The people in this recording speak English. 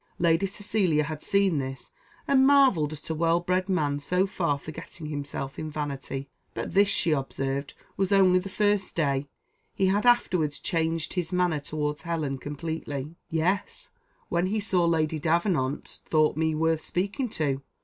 Lady Cecilia had seen this, and marvelled at a well bred man so far forgetting himself in vanity; but this, she observed, was only the first day; he had afterwards changed his manner towards Helen completely. "Yes, when he saw Lady Davenant thought me worth speaking to.